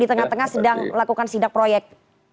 di tengah tengah sedang melakukan sidak proyek